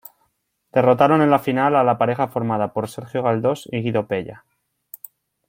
Derrotaron en la final a la pareja formada por Sergio Galdós y Guido Pella.